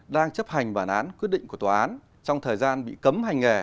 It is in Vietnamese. đang chấp hành bản án quyết định của tòa án trong thời gian bị cấm hành nghề